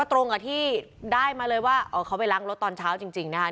ตรงกับที่ได้มาเลยว่าเขาไปล้างรถตอนเช้าจริงนะคะ